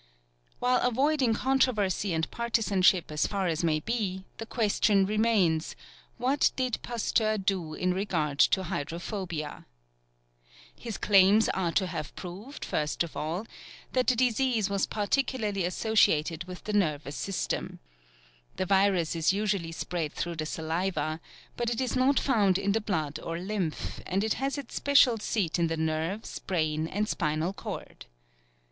While avoiding controversy and partisanship as far as may be, the question remains, What did Pasteur do in regard to hydrophobia? His claims are to have proved, first of all, that the disease was particularly associated with the nervous system. The virus is usually spread through the saliva, but it is not found in the blood or lymph, and it has its special seat in the nerves, brain, and spinal cord.